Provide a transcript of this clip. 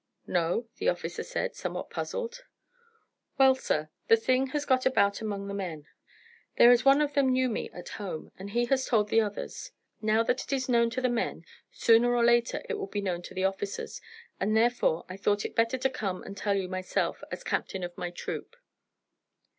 "No," the officer said, somewhat puzzled. "Well, sir, the thing has got about among the men. There is one of them knew me at home, and he has told the others. Now that it is known to the men, sooner or later it will be known to the officers, and therefore I thought it better to come and tell you myself, as captain of my troop."